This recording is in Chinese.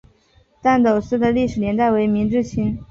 旦斗寺的历史年代为明至清。